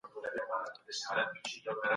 عمل کول د بدلون لپاره اړین دي.